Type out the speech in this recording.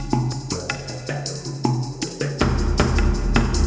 budak budak budak